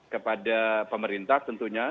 kepada pemerintah tentunya